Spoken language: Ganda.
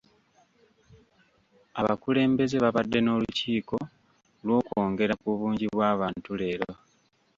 Abakulembeze babadde n'olukiiko lw'okwongera ku bungi bw'abantu leero.